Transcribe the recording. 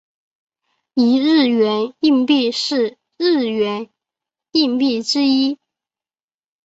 一日圆硬币是日圆硬币之一。